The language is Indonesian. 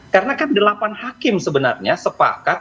karena kan delapan hakim sebenarnya sepakat